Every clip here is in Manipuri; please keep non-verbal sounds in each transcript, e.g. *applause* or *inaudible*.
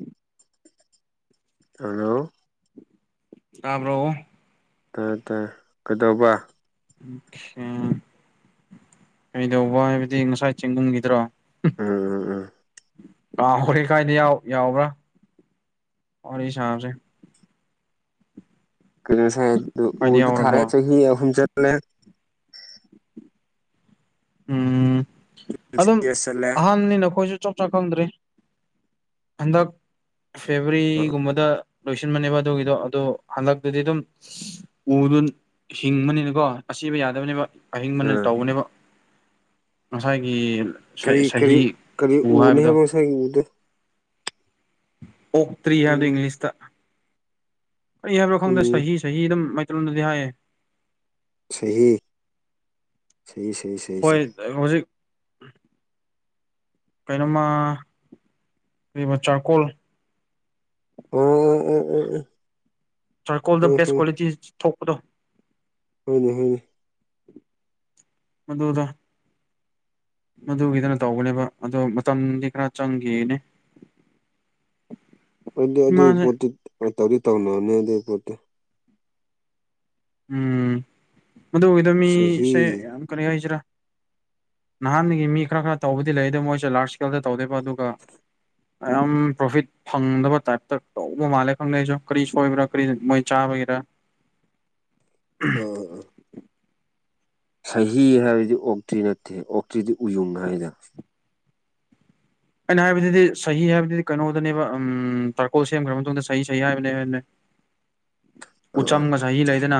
ꯎꯝ ꯍꯜꯂꯣ ꯇꯥꯕ꯭ꯔꯣꯣ ꯇ ꯇ ꯀꯩꯗꯧꯕ ꯑꯣꯦ ꯀꯩꯗꯧꯕ ꯍꯥꯏꯕꯗꯤ ꯉꯁꯥꯏ ꯆꯦꯡꯒꯨꯝꯈꯤꯗ꯭ꯔꯣ ꯎꯝ ꯎꯝ ꯎꯝ ꯑꯥ ꯍꯦ ꯀꯥꯏꯗ ꯌꯥꯎꯕ꯭ꯔꯥ ꯋꯥꯔꯤ ꯁꯥꯁꯦ ꯀꯩꯅꯣꯁꯥꯏ ꯀꯥꯏꯗ ꯎꯗ ꯊꯥꯔꯦ ꯌꯥꯎꯔꯕ꯭ꯔꯣ ꯆꯍꯤ ꯑꯍꯨꯝ ꯆꯠꯂꯦ ꯎꯝ ꯑꯗꯨꯝ ꯌꯥꯔ ꯆꯠꯂꯦ ꯑꯍꯥꯟꯕꯅꯤꯅ ꯑꯩꯈꯣꯏꯁꯨ ꯆꯞ ꯆꯥ ꯈꯪꯗ꯭ꯔꯤ ꯍꯟꯗꯛ ꯐꯦꯕꯋꯥꯔꯤꯒꯨꯝꯕꯗ ꯂꯣꯏꯁꯤꯟꯕꯕ ꯑꯗꯨꯒꯤꯗꯣ ꯑꯗꯣ ꯍꯟꯗꯛꯇꯗꯤ ꯑꯗꯨꯝ ꯎꯗꯨꯣ ꯍꯤꯡꯕꯅꯤꯅꯀꯣ ꯑꯁꯤꯕ ꯌꯥꯗꯕꯅꯦꯕ ꯑꯍꯤꯡ ꯃꯅ ꯑꯥ ꯇꯧꯕꯅꯦꯕ ꯉꯁꯥꯏꯒꯤ ꯀꯔꯤ ꯀꯔꯤ ꯆꯍꯤ ꯀꯔꯤ ꯎ ꯎꯅꯤ ꯍꯥꯏꯕꯗꯣ ꯍꯥꯏꯕ ꯉꯁꯥꯏꯒꯤ ꯎꯗꯣ ꯑꯣꯛꯇ꯭ꯔꯤ ꯍꯥꯏꯕꯗꯣ ꯎꯝ ꯏꯪꯂꯤꯁꯇ ꯀꯔꯤ ꯍꯥꯏꯕꯅꯣ ꯈꯪꯗꯦ ꯎꯝ ꯆꯍꯤꯍꯤ ꯆꯍꯤꯍꯤ ꯑꯗꯨꯝ ꯃꯥꯏꯇꯩꯣꯗꯗꯤ ꯍꯥꯏꯌꯦ ꯁ ꯀꯩꯅꯣꯃ ꯀ ꯃ ꯆꯆꯥꯀꯣꯜ ꯎ ꯎ ꯎꯝ ꯎꯝ ꯎꯝ ꯁꯥꯏ ꯀꯣꯜ ꯗ ꯕꯦꯁ ꯀ꯭ꯋꯥꯂꯤꯇꯤ ꯊꯣꯛꯄꯗꯣ ꯈꯪꯉꯦ ꯈꯪꯉꯦ ꯍꯣꯏꯅꯦ ꯍꯣꯏꯅꯦ ꯃꯗꯨꯗ ꯃꯗꯨꯒꯤꯗꯅ ꯇꯧꯒꯅꯦꯕ ꯑꯗꯣ ꯃꯇꯝꯗꯤ ꯈꯔ ꯆꯪꯈꯤꯅꯦ *unintelligible* *unintelligible* *unintelligible* *inaudible* ꯑꯗꯨ ꯑꯗꯨꯒꯤ ꯄꯣꯠꯇꯤ ꯇꯧꯗꯤ ꯇꯧꯅꯔꯅꯤ ꯑꯗꯨꯒꯤ ꯄꯣꯠꯇꯤ ꯎꯝ ꯃꯗꯨꯒꯤꯗ ꯁꯍꯤ ꯃꯤꯁꯦ ꯌꯥꯝ ꯀꯔꯤ ꯍꯥꯏꯁꯤꯔꯥ ꯅꯍꯥꯟꯒꯤ ꯃꯤ ꯈꯔ ꯈꯔ ꯇꯧꯕꯗꯤ ꯂꯩꯗ ꯃꯣꯏꯁꯨꯦ ꯂꯥꯔꯖ ꯏꯁꯀꯦꯜꯗ ꯇꯧꯗꯣꯏꯕ ꯑꯗꯨꯒ ꯌꯥꯝ ꯄ꯭ꯔꯣꯐꯤꯠ ꯐꯪꯗꯕ ꯇꯥꯏꯞꯇ ꯇꯧꯕ ꯃꯥꯜꯂꯦ ꯈꯪꯗꯦꯁꯨ ꯀꯔꯤ ꯁꯣꯏꯕ꯭ꯔꯥ ꯀꯔꯤ ꯃꯣꯏ ꯆꯥ ꯑꯣꯏꯒꯦꯔ ꯑ ꯁꯍꯤ ꯍꯥꯏꯕꯗꯤ ꯑꯣꯛꯇ꯭ꯔꯤ ꯅꯠꯇꯦ ꯑꯣꯛꯇ꯭ꯔꯤꯗꯤ ꯎꯌꯨꯡ ꯍꯥꯏꯗꯅ ꯑꯩꯅ ꯍꯥꯏꯕꯗꯨꯗꯤ ꯁꯍꯤ ꯍꯥꯏꯕꯗꯨꯗꯤ ꯀꯩꯅꯣꯗꯅꯦꯕ ꯎ ꯇꯔꯀꯣꯜ ꯁꯦꯝꯈ꯭ꯔꯕ ꯃꯇꯨꯡꯗ ꯁ ꯁꯍꯤ ꯍꯥꯏꯕꯅꯦꯅꯦ ꯑꯥ ꯑꯥ ꯎꯆꯝꯒ ꯆꯍꯤ ꯂꯩꯗꯅ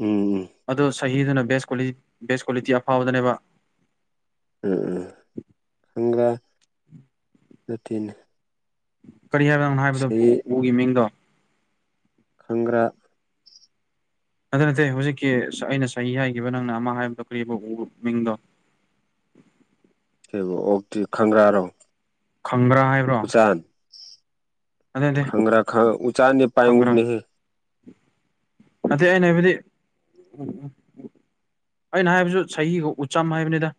ꯎꯝ ꯎꯝ ꯑꯗꯨ ꯆꯍꯤꯗꯨꯅ ꯕꯦꯁ ꯀ꯭ꯋꯥꯂꯤꯇꯤ ꯑꯐꯥꯎꯕꯗꯅꯦꯕ ꯎꯝ ꯍꯪꯒꯥ ꯑꯗꯨꯠꯇꯅꯦ ꯀꯔꯤ ꯍꯥꯏꯕꯅꯪꯅꯣ ꯍꯥꯏꯕꯗꯣ ꯎ ꯎꯒꯤ ꯃꯤꯡꯗꯣ ꯈꯪꯒ꯭ꯔꯥ ꯅꯠꯇ ꯅꯠꯇꯦ ꯍꯧꯖꯤꯛꯀꯤ ꯑꯩꯅ ꯆꯍꯤ ꯍꯥꯏꯈꯤꯕ ꯅꯪꯅ ꯑꯃ ꯍꯥꯏꯕꯗꯣ ꯀꯔꯤꯕ ꯎ ꯃꯤꯡꯗꯣ *inaudible* ꯀꯕꯨ ꯑꯣꯛꯇꯤ ꯈꯪꯒ꯭ꯔꯥꯔꯣ ꯐꯪꯕ꯭ꯔꯥ ꯍꯥꯏꯕ꯭ꯔꯣ ꯎꯆꯥꯟ ꯅꯠꯇꯦ ꯅꯠꯇꯦ ꯈꯪꯒ꯭ꯔꯥ ꯈꯪ ꯎ ꯎꯆ ꯎꯆꯔꯅꯦ ꯄꯌꯦ ꯎꯠꯅꯤꯍ ꯑꯗꯗꯤ ꯑꯩꯅ ꯍꯥꯏꯕꯗꯤ ꯑꯩꯅ ꯍꯥꯏꯕꯁꯨ ꯆꯍꯤꯒ ꯎꯆꯝ ꯍꯥꯏꯕꯅꯤꯗ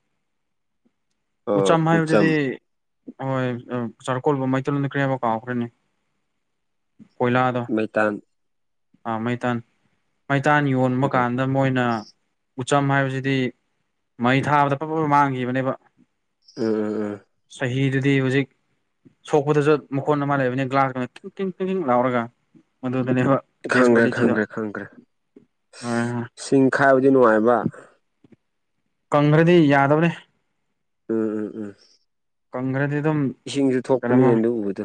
ꯎ ꯎꯆꯝ ꯃꯍ ꯍꯧꯗꯗꯤ ꯍꯣꯏ ꯆꯔꯀꯣꯜꯕ ꯃꯩꯇꯩꯣꯟꯅ ꯀꯦ ꯑꯃ ꯀꯥꯎꯈ꯭ꯔꯅꯤ ꯃꯩꯇꯥꯟ ꯑꯥ ꯃꯩꯇꯥꯟ ꯃꯩꯇꯥꯟ ꯌꯣꯟꯕ ꯎꯝ ꯀꯥꯟꯗ ꯃꯣꯏꯅ ꯎꯆꯝ ꯍꯥꯏꯕꯁꯤꯗꯤ ꯃꯩ ꯊꯥꯕꯗ ꯄꯞꯄ ꯑꯃ ꯃꯥꯡꯈꯤꯕꯅꯦꯕ ꯎꯝ ꯎꯝ ꯎꯝ ꯑꯗꯨꯗꯤ ꯍꯧꯖꯤꯛ ꯁꯣꯛꯄꯗꯨꯁꯨ ꯃꯈꯣꯟ ꯑꯃ ꯂꯩꯕꯅꯤꯅ ꯒ꯭ꯂꯥꯁ ꯀꯡ ꯀ ꯀꯡ ꯂꯥꯎꯔꯒ ꯃꯗꯨ ꯈꯪꯈ꯭ꯔꯦ ꯈꯪꯈ꯭ꯔꯦ ꯈꯪꯈ꯭ꯔꯦ ꯁꯤꯡ ꯈꯥꯏꯕꯗꯤ ꯅꯨꯡꯉꯥꯏꯕ ꯀꯪꯈ꯭ꯔꯗꯤ ꯌꯥꯗꯕꯅꯦ ꯎꯝ ꯎꯝ ꯎꯝ ꯀꯪꯒ꯭ꯔꯁ ꯏꯁꯤꯡꯁꯨ ꯊꯣꯛꯄꯅꯤꯅꯦ ꯑꯗꯨ ꯎꯕꯗꯣ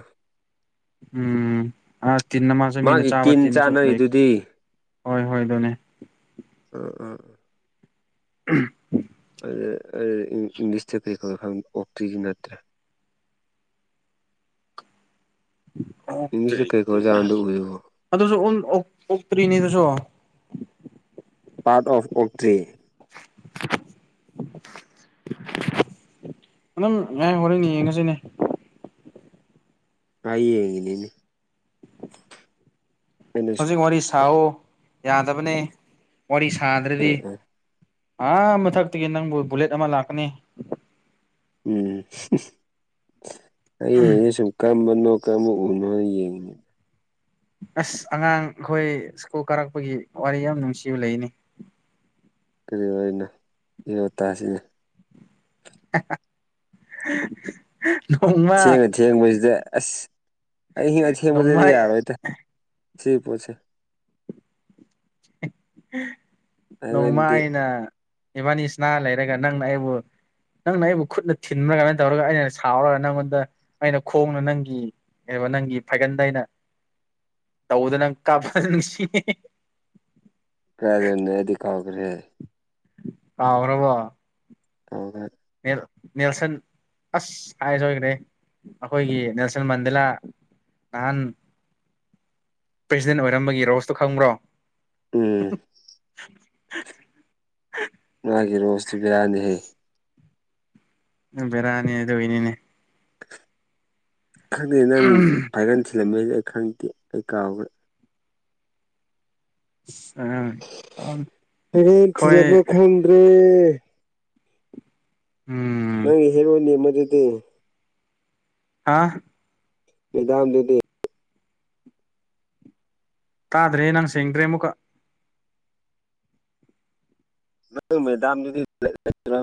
ꯎꯝ ꯑ ꯇꯤꯟꯅ ꯃꯥꯁꯦ ꯃꯤꯅ ꯃꯥꯒꯤ ꯆꯥꯕ ꯇꯤꯟ ꯇꯤꯟꯁꯨ ꯂꯩ ꯆꯥꯅꯔꯤꯗꯨꯗꯤ ꯍꯣꯏ ꯍꯣꯏ ꯑꯗꯨꯅꯦ ꯎꯝ ꯎꯝ ꯎꯝ ꯎ ꯏꯪꯂꯤꯁ ꯊ ꯀ ꯑꯣꯛꯇ꯭ꯔꯤꯗꯤ ꯅꯠꯇ꯭ꯔꯦ ꯏꯪꯂꯤꯁꯇ ꯀꯔꯤ ꯀꯧ ꯖꯥꯠꯅꯣ ꯑꯗꯨ ꯎꯗꯨꯕꯨ ꯑꯗꯨꯁꯨ ꯎ ꯑꯣꯛꯇ꯭ꯔꯤꯅꯤ ꯑꯗꯨꯁꯨ ꯄꯥꯔꯠ ꯑꯣꯐ ꯑꯣꯛꯇ꯭ꯔꯤ *inaudible* ꯑꯦ ꯍꯔꯦꯟꯅꯤ ꯌꯦꯡꯉꯁꯤꯅꯦ ꯑꯏ ꯌꯦꯉꯅꯤꯅꯤ ꯍꯧꯖꯤꯛ ꯋꯥꯔꯤ ꯁꯥꯑꯣ ꯌꯥꯗꯕꯅꯦ ꯋꯥꯔꯤ ꯑ ꯁꯥꯗ꯭ꯔꯗꯤ ꯑ ꯑꯥ ꯃꯊꯛꯇꯒꯤ ꯅꯪꯕꯨ ꯕꯨꯂꯦꯠ ꯑꯃ ꯂꯥꯛꯀꯅꯤ ꯎꯝ ꯑꯩꯁꯨꯨ ꯀꯝ ꯃ ꯀ ꯎ ꯌꯦꯡꯅꯤ ꯑꯁ ꯑꯉꯥꯡ ꯑꯩꯈꯣꯏ ꯁ꯭ꯀꯨꯜ ꯀꯥꯔꯛꯄꯒꯤ ꯋꯥꯔꯤ ꯌꯥꯝ ꯅꯨꯡꯁꯤꯕ ꯂꯩꯅꯤ *inaudible* ꯀꯔꯤ ꯑꯣꯏꯅ ꯌꯦ ꯇꯁꯤꯅꯦ *inaudible* ꯊꯦꯡꯕ ꯊꯦꯡꯕꯁꯤꯗ ꯑꯁ ꯑꯩ ꯍꯤꯡꯉ ꯅꯣꯡꯃ ꯊꯦꯡꯕꯗꯗꯤ ꯌꯥꯔꯣꯏꯇ ꯁꯤ ꯄꯣꯁꯦ ꯅꯣꯡꯃ ꯑꯩꯉꯣꯟꯗꯗꯤ ꯑꯩꯅ ꯏꯕꯥꯅꯤ ꯏꯁꯅꯥ ꯂꯩꯔꯒ ꯅꯪꯅ ꯑꯩꯕꯨ ꯅꯪꯅ ꯑꯩꯕꯨ ꯈꯨꯠꯅ ꯊꯤꯟꯕ꯭ꯔꯥ ꯀꯃꯥꯏꯅ ꯇꯧꯔꯒ ꯑꯩꯅ ꯁꯥꯎꯔꯒ ꯅꯪꯉꯣꯟꯗ ꯑꯩꯅ ꯈꯣꯡꯅ ꯅꯪꯒꯤ ꯅꯪꯒꯤ ꯐꯥꯏꯒꯟꯗꯩꯅ ꯇꯧꯕꯗ ꯅꯪ ꯀꯥꯞꯄ ꯅꯨꯡꯁꯤ ꯀꯔꯦꯟꯅꯗꯤ ꯀꯥꯎꯒ꯭ꯔꯦ ꯀꯥꯎꯈ‌꯭ꯔꯕꯣ *inaudible* ꯅꯦꯜꯁꯟ ꯑꯁ ꯍꯥꯏꯁꯣꯏꯈ꯭ꯔꯦ ꯑꯩꯈꯣꯏꯒꯤ ꯅꯦꯜꯁꯟ ꯃꯟꯗꯤꯂꯥ ꯅꯍꯥꯟ ꯄ꯭ꯔꯁꯤꯗꯦꯟ ꯑꯣꯏꯔꯝꯕꯒꯤ ꯔꯣꯁꯇꯣ ꯈꯪꯕ꯭ꯔꯣ ꯎꯝ *inaudible* ꯃꯥꯒꯤ ꯔꯣꯁꯇꯨ ꯕꯦꯔꯥꯅꯤꯍꯦ ꯕꯦꯔꯥꯅꯤ ꯑꯗꯨꯒꯤꯅꯤꯅꯦ ꯈꯪꯗꯦ ꯅꯪ ꯐꯥꯏꯒꯟ ꯊꯤꯜꯂꯝꯕꯩꯁꯦ ꯑꯩ ꯈꯪꯗꯦ ꯑꯩ ꯀꯥꯎꯈ꯭ꯔꯦ ꯑꯩꯈꯣꯏ ꯊꯤꯔꯕ꯭ꯔ ꯈꯪꯗ꯭ꯔꯦ ꯎꯝ ꯅꯪ ꯍꯤꯔꫭꯅꯤ ꯑꯃꯗꯨꯗꯤ ꯍꯥꯥ ꯃꯦꯗꯥꯝ ꯗꯨꯗꯤ ꯇꯥꯗ꯭ꯔꯦ ꯅꯪ ꯁꯦꯡꯗ꯭ꯔꯦ ꯑꯃꯨꯛꯀ ꯅꯪ ꯃꯦꯗꯥꯝ ꯗꯨꯗꯤ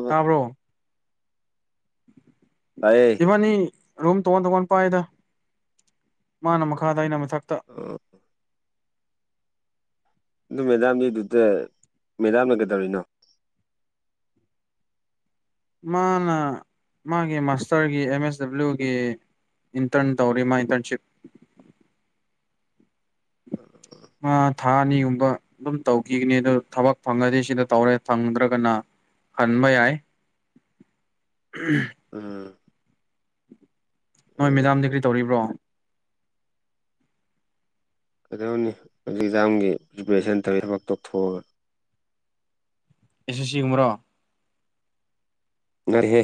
ꯇꯥꯕ꯭ꯔꯣ ꯇꯥꯏꯌꯦ ꯏꯕꯥꯅꯤ ꯔꯨꯝ ꯇꯣꯉꯥꯟ ꯇꯣꯉꯥꯟ ꯄꯥꯏꯗ ꯃꯥꯅ ꯃꯈꯥꯗ ꯑꯩꯅ ꯃꯊꯛꯇ ꯑꯗꯨ ꯃꯦꯗꯥꯝꯗꯤꯗꯨꯗ ꯃꯦꯗꯥꯝꯅ ꯀꯩꯗꯧꯔꯤꯅꯣ ꯃꯥꯅ ꯃꯥꯒꯤ ꯃꯥꯁꯇꯔꯒꯤ ꯑꯦꯝ ꯑꯦꯁ ꯗꯕ꯭ꯂꯤꯎꯒꯤ ꯏꯟꯇꯔꯟ ꯇꯧꯔꯤ ꯃꯥ ꯏꯟꯇꯔꯟꯁꯤꯞ *inaudible* ꯃꯥ ꯑꯅꯤꯒꯨꯝꯕ ꯑꯗꯨꯝ ꯇꯧꯈꯤꯒꯅꯤ ꯑꯗꯨ ꯊꯕꯛ ꯐꯪꯉꯗꯤ ꯁꯤꯗ ꯇꯧꯔꯦ ꯐꯪꯗ꯭ꯔꯒꯅ ꯍꯟꯕ ꯌꯥꯏ ꯎꯝ ꯅꯣꯏ ꯃꯦꯗꯥꯝꯗꯤ ꯀꯔꯤ ꯇꯧꯔꯤꯕ꯭ꯔꯣ ꯀꯩꯗꯧꯅꯤ ꯍꯧꯖꯤꯛ ꯑꯦꯛꯖꯥꯝꯒꯤ ꯄ꯭ꯔꯤꯄꯦꯔꯦꯁꯟ ꯇꯧꯋꯤ ꯊꯕꯛ ꯇꯣꯛꯊꯣꯛꯑꯒ ꯑꯦꯁ ꯑꯦꯁ ꯁꯤꯒꯨꯝꯕ꯭ꯔꯣ ꯅꯠꯇꯦꯍꯦ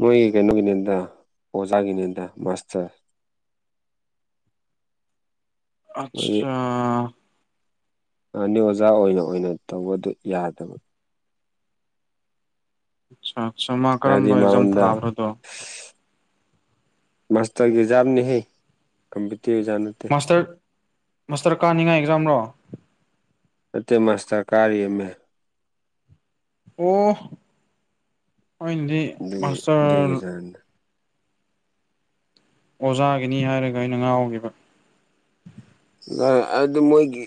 ꯃꯣꯏꯒꯤ ꯀꯩꯅꯣꯒꯤꯅꯦꯗ ꯑꯣꯖꯥꯒꯤꯅꯦꯗ ꯃꯥꯁꯇꯔ ꯃꯣꯏꯒꯤ ꯑꯠꯁꯥ ꯑꯅꯤ ꯑꯣꯖꯥ ꯑꯣꯏꯅ ꯑꯣꯏꯅ ꯇꯧꯕꯗꯨ ꯌꯥꯗꯕ ꯑꯠꯁꯥ ꯑꯠꯁꯥꯃꯥ ꯍꯥꯏꯕꯗꯤ ꯀꯔꯝꯕ ꯑꯦꯛꯖꯥꯝ ꯃꯉꯣꯟꯗ ꯊꯥꯕ꯭ꯔꯗꯣ ꯃꯥꯁꯇꯔꯒꯤ ꯑꯦꯖꯥꯝꯅꯤꯍꯦ ꯀꯝ ꯃꯥꯁꯇꯔ ꯃꯥꯁꯇꯔ ꯀꯥꯅꯤꯡꯉꯥꯏ ꯑꯦꯛꯖꯥꯝꯔꯣ ꯅꯠꯇꯦ ꯃꯥꯁꯇꯔ ꯀꯥꯔꯤ ꯑꯦꯝ ꯑꯦ ꯑꯣ ꯑꯩꯟꯗꯤ ꯑꯗꯨꯒꯤ ꯑꯗꯨꯒꯤ ꯃꯥꯁꯇꯔ ꯑꯦꯛꯖꯥꯝꯅꯤꯗ ꯑꯣꯖꯥꯒꯤꯅꯤ ꯍꯥꯏꯔꯒ ꯑꯩꯅ ꯉꯥꯎꯈꯤꯕ ꯑꯗꯨ ꯃꯣꯏꯒꯤ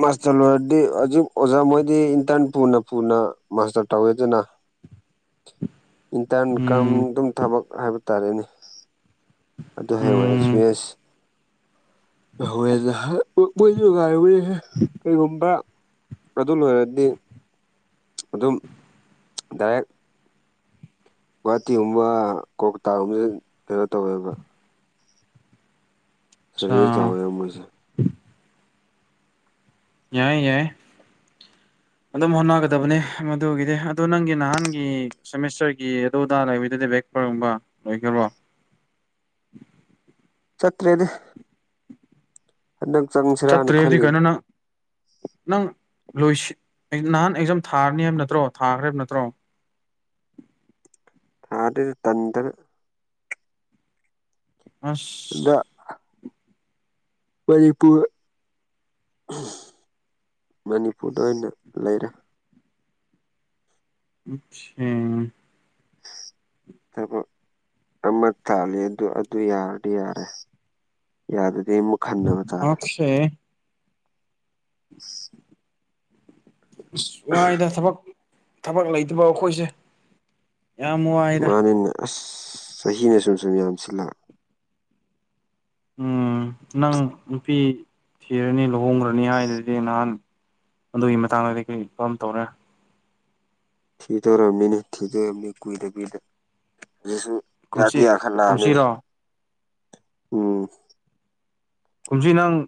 ꯃꯥꯁꯇꯔ ꯂꯣꯏꯔꯗꯤ ꯍꯧꯖꯤꯛ ꯑꯣꯖꯥ ꯃꯣꯏꯗꯤ ꯏꯟꯇꯔꯟ ꯄꯨꯅ ꯄꯨꯅ ꯃꯥꯁꯇꯔ ꯇꯧꯋꯦꯗꯅ *inaudible* ꯏꯟꯇꯔꯟ ꯀꯝ ꯎꯝ ꯑꯗꯨꯝ ꯊꯕꯛ ꯍꯥꯏꯕ ꯇꯥꯔꯦꯅꯦ ꯑꯗꯨ ꯍꯌꯦꯡꯋꯥꯏ ꯎꯝ ꯑꯦꯛꯁꯄꯤꯔꯤꯌꯦꯟꯁ ꯍꯣꯏ ꯃꯣꯏꯁꯨꯒꯥꯏ ꯍꯦ ꯀꯩꯒꯨꯝꯕ꯭ꯔ ꯑꯗꯨ ꯂꯣꯏꯔꯗꯤ ꯑꯗꯨꯝ ꯗꯥꯏꯔꯦꯛ ꯒꯨꯍꯥꯇꯤꯒꯨꯝꯕ ꯀꯣꯜꯀꯇꯥꯒꯨꯝꯕꯕꯁꯤ ꯀꯩꯅꯣ ꯇꯧꯋꯦꯕ ꯑꯠꯆꯥ ꯁꯦꯂꯔꯤ ꯆꯥꯎꯋꯦꯕ ꯃꯣꯏꯁꯦ ꯌꯥꯏ ꯌꯥꯏ ꯑꯗꯨꯝ ꯍꯣꯠꯅꯒꯗꯕꯅꯤ ꯃꯗꯨꯒꯤꯗꯤ ꯑꯗꯨ ꯅꯪꯒꯤ ꯅꯍꯥꯟꯒꯤ ꯁꯦꯃꯤꯁꯇꯔꯒꯤ ꯑꯗꯨ ꯑꯗꯥ ꯂꯩꯕꯗꯨꯗꯤ ꯕꯦꯛ ꯄꯔ ꯒꯨꯝꯕ ꯂꫭꯏꯒ꯭ꯔꯕꫭ ꯆꯠꯇ꯭ꯔꯦꯗ ꯍꯟꯗꯛ ꯆꯪꯁꯤꯔꯥꯅ ꯊꯠꯇꯔꯦꯕꯗꯤ ꯈꯜꯂꯤꯅꯤ ꯀꯩꯅꯅꯅ ꯅꯪ ꯂꯣꯏꯁꯤ ꯅꯍꯥꯟ ꯑꯦꯛꯖꯝ ꯊꯥꯔꯅꯤ ꯍꯥꯏꯕ ꯅꯠꯇ꯭ꯔꯣ ꯊꯥꯈ꯭ꯔ ꯍꯥꯏꯕ ꯅꯠꯇ꯭ꯔꯣ *unintelligible* ꯊꯥꯔꯔ ꯇꯗ꯭ꯔ꯭ꯔ ꯑꯁ ꯗ ꯃꯅꯤꯄꯨꯔ ꯃꯅꯤꯄꯨꯔꯗ ꯑꯣꯏꯅ ꯂꯩꯔꯦ ꯑꯆꯥ ꯇꯥꯄꯣ ꯑꯃ ꯊꯥꯜꯂꯤ ꯑꯗꯨ ꯑꯗꯨ ꯌꯥꯔꯗꯤ ꯌꯥꯔꯦ ꯌꯥꯗꯗꯤ ꯔꯦꯃꯨ ꯈꯟꯗꯅ ꯆꯥꯔꯦ ꯑꯣꯀꯦ ꯋꯥꯏꯗ ꯁꯕꯛ ꯊꯕꯛ ꯂꯩꯇꯕ ꯑꯩꯈꯣꯏꯁꯦ ꯌꯥꯝ ꯋꯥꯏꯗ ꯃꯥꯅꯤꯅꯦ ꯑꯁ ꯆꯍꯤꯅ ꯁꯨꯝ ꯁꯨꯝ ꯌꯥꯝ ꯁꯤꯜꯂꯛ ꯎꯝ ꯅꯪ ꯅꯨꯄꯤ ꯊꯤꯔꯅꯤ ꯂꯨꯍꯣꯡꯈ꯭ꯔꯅꯤ ꯍꯥꯏꯗꯨꯗꯤ ꯅꯍꯥꯟ ꯑꯗꯨꯒꯤ ꯃꯇꯥꯡꯗꯗꯤ ꯀꯈꯣꯏ ꯀꯔꯝ ꯇꯧꯔꯦ ꯊꯤꯗꯣꯏꯔꯝꯃꯤꯅꯦ ꯊꯤꯗꯣꯏꯔꯝꯅꯤ ꯀꯨꯏꯗ ꯀꯨꯏꯗ ꯑꯗꯨꯁꯨ ꯀꯨꯝꯁꯤ ꯌꯥꯗꯦꯈꯜ ꯂꯥꯛꯑꯅꯤ ꯀꯨꯝꯁꯤꯔꯣ ꯎꯝ ꯀꯨꯝꯁꯤ ꯅꯪ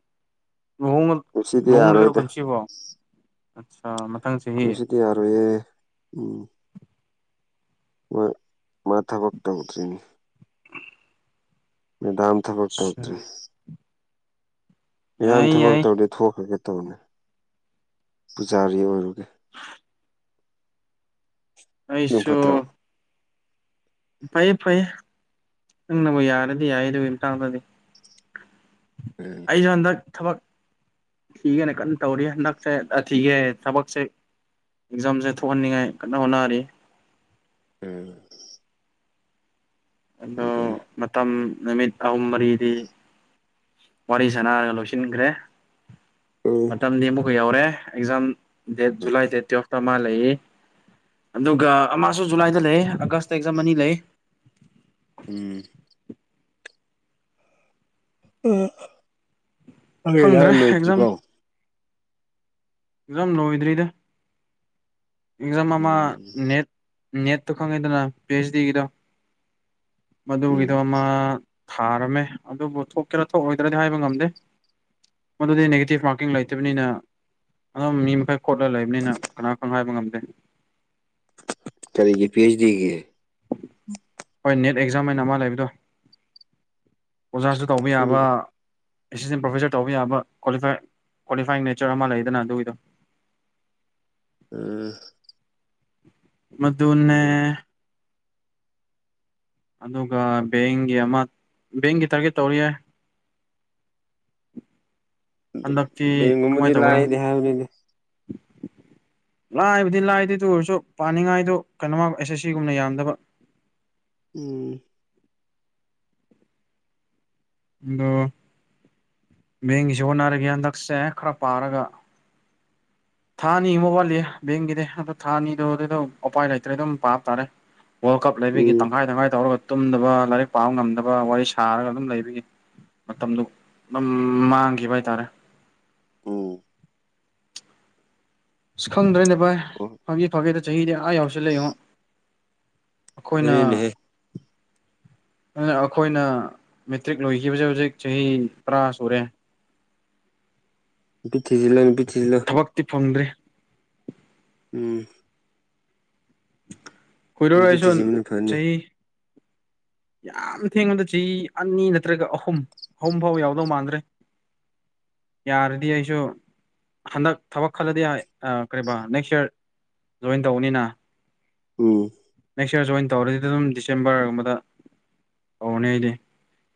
ꯂꯨꯍꯣꯡ ꯀꯨꯝꯁꯤꯗꯤ ꯂꯨꯍꯣꯡꯅ ꯀꯦꯔꯣ ꯌꯥꯔꯣꯏꯗ ꯀꯨꯝꯁꯤꯕꯣ ꯑꯆꯥ ꯀꯁꯤꯦꯗꯤꯤ ꯌꯥꯔꯌꯦꯦ ꯎꯝ ꯃ ꯃꯥꯊꯥ ꯛꯇ ꯎꯁꯤ꯭ꯔꯤꯅꯤ ꯗꯥꯝ ꯊꯕꯛ ꯑ ꯊꯧꯔꯤ ꯃꯌꯥꯝ ꯌꯥꯏ ꯊꯕꯛ ꯌꯥꯏ ꯇꯧꯗꯦ ꯊꯣꯛꯈ꯭ꯔꯒꯦ ꯇꯧꯅꯤ ꯄꯨꯖꯥꯔꯤ ꯑꯣꯏꯔꯒꯦ ꯑꯗꯨꯝ ꯑꯩꯁꯨꯁꯨ ꯐꯠꯇ꯭ꯔꯣ ꯐꯩꯌꯦ ꯐꯩꯌꯦ ꯅꯪꯅꯕꯨ ꯌꯥꯔꯗꯤ ꯌꯥꯏ ꯑꯗꯨꯒꯤꯥꯡꯗꯗꯤ ꯎꯝ ꯑꯩ ꯆꯗ ꯊꯕꯛ ꯊꯤꯒꯦꯅ ꯀꯟꯅ ꯇꯧꯔꯤ ꯍꯟꯗꯛꯁꯦ ꯊꯤꯒꯦ ꯊꯕꯛꯁꯦ ꯑꯦꯛꯖꯥꯝꯁꯦ ꯊꯣꯛꯍꯟꯅꯤꯡꯉꯥꯏ ꯀꯟꯅ ꯍꯣꯠꯅꯔꯤ ꯎꯝ ꯑꯗꯣ ꯑꯗꯨꯅꯤ ꯃꯇꯝ ꯅꯨꯃꯤꯠ ꯑꯍꯨꯝ ꯃꯔꯤꯗꯤ ꯋꯥꯔꯤ ꯁꯅꯔꯒ ꯂꯧꯁꯤꯟꯈ꯭ꯔꯦ ꯃꯇꯝꯗꯤ ꯑꯃꯨꯛ ꯑꯩꯈꯣꯏ ꯌꯧꯔꯦ ꯑꯦꯛꯖꯥꯝ ꯗꯦꯠ ꯖꯨꯂꯥꯏ ꯗꯦꯠ ꯇꯨꯋꯜꯐꯇ ꯃꯥ ꯂꯩ ꯑꯗꯨꯒ ꯑꯃꯁꯨ ꯖꯨꯂꯥꯏꯗ ꯂꯩ ꯑꯥꯒꯁꯇ ꯑꯦꯛꯖꯥꯝ ꯑꯅꯤ ꯂꯩ ꯎꯝ ꯈꯪꯗ꯭ꯔꯦ ꯑꯗꯥꯅꯣꯇꯄꯣ ꯑꯦꯖꯝ ꯂꯣꯋꯗꯔꯤꯗ ꯑꯦꯛꯖꯝ ꯎꯝ ꯅꯦ ꯅꯦꯠꯇꯣ ꯈꯪꯉꯤꯗꯅ ꯄꯤ ꯑꯩꯆ ꯗꯤꯒꯤꯗꯣ ꯃꯗꯨꯒꯤꯗꯣ ꯎꯝ ꯑꯃ ꯊꯥꯔꯝꯃꯦ ꯑꯗꯨꯕꯨ ꯊꯣꯛꯀꯦꯔꯥ ꯊꯣꯛꯑꯣꯣꯏꯗ꯭ꯔꯗꯤ ꯍꯥꯏꯕ ꯉꯝꯗꯦ ꯃꯗꯨꯗꯤ ꯅꯦꯒꯦꯇꯤꯞ ꯡ ꯂꯩꯇꯕꯅꯤꯅ ꯑꯣꯝ ꯃꯤ ꯃꯈꯩ ꯈꯣꯠꯂꯒ ꯂꯩꯕꯅꯤꯅ ꯀꯅꯥꯪ ꯍꯥꯏꯕ ꯉꯝꯗ *unintelligible* ꯀꯦꯒꯤ ꯄꯤ ꯑꯩꯆ ꯗꯤꯒꯤ ꯍꯣꯏ ꯅꯦꯠ ꯑꯦꯛꯖꯥꯝ ꯍꯥꯏ ꯑꯣꯏꯅ ꯑꯃ ꯂꯩꯕꯗꯣ ꯑꯣꯖꯥꯁꯨ ꯇꯧꯕ ꯌꯥꯕ ꯈꯪꯗꯦꯗ ꯑꯦꯁꯤꯁꯇꯦꯟ ꯄ꯭ꯔꯣꯐꯦꯁꯔ ꯇꯧꯕ ꯌꯥꯕ ꯀ꯭ꯋꯥꯐꯥꯏ ꯀ꯭ꯋꯥꯂꯤꯐꯥꯏꯤꯡ ꯅꯦꯆꯔ ꯑꯃ ꯂꯩꯗꯅ ꯇꯗ ꯎꯝ ꯃꯗꯨꯟꯅ ꯑꯗꯨꯒ ꯕꯦꯡꯒꯤ ꯑꯃ ꯕꯦꯡꯒꯤ ꯇꯥꯔꯒꯦꯠ ꯇꯧꯔꯤ ꯌꯥꯏ ꯑꯟꯗꯛꯤ ꯀꯃꯥꯏ ꯕꯦꯡꯒꯨꯝꯕꯗꯤ ꯇꯧꯧꯕ꯭ꯔ ꯂꯥꯏꯗꯤ ꯍꯥꯏꯕꯅꯤꯗ *inaudible* ꯂꯥꯏꯕꯨꯗꯤ ꯂꯥꯏꯗꯤ ꯇ ꯑꯣꯏꯔꯁꯨ ꯄꯥꯅꯤꯡꯉꯥꯏꯗꯣ ꯀꯩꯅꯣꯃ ꯑꯦꯁꯦ ꯁꯤꯒꯨꯝꯅ ꯌꯥꯝꯗꯕ ꯎꯝ ꯑꯗꯣ ꯃꯕꯦꯡꯒꯤꯁꯨ ꯍꯣꯠꯅꯔꯒ ꯍꯟꯗꯛꯁꯦ ꯈꯔ ꯄꯥꯔꯒ ꯊꯥ ꯑꯅꯤ ꯑꯃꯨ ꯋꯥꯠꯂꯤ ꯕꯦꯡꯒꯤꯗꯤ ꯑꯗꯨꯣ ꯊꯥ ꯑꯅꯤꯗꯨꯣ ꯑꯗꯨ ꯑꯗꯨꯝ ꯎꯄꯥꯏ ꯂꯩꯇ꯭ꯔꯦ ꯑꯗꯨꯝ ꯄꯥꯕ ꯇꯥꯔꯦ ꯋꯥꯔꯜ ꯀꯞ ꯂꯩꯕꯤꯒꯤ ꯎꯝ ꯇꯪꯈꯥꯏ ꯇꯪꯈꯥꯏ ꯇꯧꯔꯒ ꯇꯨꯝꯗꯕ ꯂꯥꯏꯔꯤꯛ ꯄꯥꯕ ꯉꯝꯗꯕ ꯋꯥꯔꯤ ꯁꯥꯔꯒ ꯑꯗꯨꯝ ꯂꯩꯕꯤꯒꯤ ꯃꯇꯝꯗꯨ ꯑꯗꯨ ꯃꯥꯡꯈꯤꯕ ꯍꯥꯏꯇꯥꯔꯦ ꯎ ꯑꯁ ꯈꯪꯗ꯭ꯔꯦꯅꯦ ꯚꯥꯏ ꯑꯣ ꯐꯥꯒ ꯐꯥꯒꯦꯗ ꯆꯍꯤꯗꯤ ꯑꯥ ꯌꯥꯎꯁꯤꯜꯂꯛ ꯌꯦꯉꯣ ꯑꯩꯈꯣꯏꯅ ꯑꯗꯨꯅꯤꯅꯦꯍꯦ ꯑꯗꯨ ꯑꯩꯈꯣꯏꯅ ꯃꯦꯇ꯭ꯔꯤꯛ ꯂꯣꯏꯈꯤꯕꯁꯦ ꯍꯧꯖꯤꯛ ꯆꯍꯤ ꯇꯔꯥ ꯁꯨꯔꯦ ꯄꯤꯊꯤꯁꯤꯂꯅꯤ ꯄꯤꯊꯤꯁꯤꯂ ꯊꯕꯛꯇꯤ ꯐꯪꯗ꯭ꯔꯤ ꯎꯝ ꯍꯣꯏꯏꯗꯧꯔ ꯅꯨꯄꯤ ꯑꯩꯁ ꯊꯤꯖꯤꯟꯕꯅ ꯐꯅꯤ ꯆꯍꯤ ꯌꯥꯝ ꯊꯦꯡꯕꯗ ꯆꯍꯤ ꯑꯅꯤ ꯅꯠꯇ꯭ꯔꯒ ꯑꯍꯨꯝ ꯑꯍꯨꯝ ꯐꯥꯎ ꯌꯥꯎꯗꯧ ꯃꯥꯟꯗ꯭ꯔꯦ ꯌꯥꯔꯗꯤꯌꯥꯁꯣ ꯍꯟꯗꯛ ꯊꯕꯛ ꯈꯜꯂꯗꯤ ꯀꯔꯤꯕ ꯅꯦꯛꯁ ꯏꯌꯥꯔ ꯖꯣꯏꯟ ꯇꯧꯕꯅꯤꯅ ꯎꯝ ꯅꯦꯛꯁ ꯏꯔ ꯖꯣꯏꯟ ꯇꯧꯔꯗꯤ ꯑꯗꯨꯝ ꯗꯤꯁꯦꯝꯕꯔꯒꯨꯝꯕꯗ ꯇꯧꯔꯅꯤ ꯑꯩꯗꯤ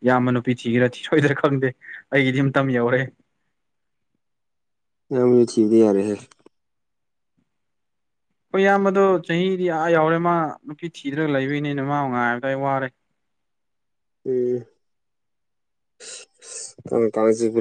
ꯏꯌꯥꯝꯕ ꯅꯨꯄꯤ ꯊꯤꯈ꯭ꯔꯥ ꯊ ꯁꯣꯏꯗ꯭ꯔꯥ ꯈꯪꯗꯦ ꯑꯩꯒꯤꯗꯤ ꯑꯃꯝꯇꯝ ꯌꯧꯔꯦ *inaudible* ꯌꯥꯝ ꯃ ꯆꯤꯕꯅꯦ ꯌꯥꯔꯦ ꯍꯣꯏ ꯏꯌꯥꯝꯕꯗꯣ ꯆꯍꯤꯗꯤ ꯑꯥ ꯌꯥꯎꯔꯦ ꯃꯥ ꯅꯨꯄꯤ ꯊꯤꯗ꯭ꯔꯒ ꯂꯩꯕꯣꯏꯅꯤꯅ ꯃꯥ ꯉꯥꯏꯔꯗꯥꯏ ꯋꯥꯔꯦ *inaudible* ꯎꯝ ꯀ ꯀꯁꯤ ꯄꯨ